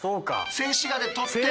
静止画で撮って。